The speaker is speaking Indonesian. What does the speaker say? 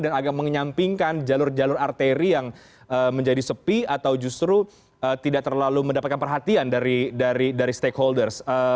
dan agak menyampingkan jalur jalur arteri yang menjadi sepi atau justru tidak terlalu mendapatkan perhatian dari stakeholders